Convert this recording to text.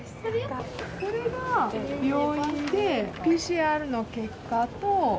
これが病院でＰＣＲの結果と。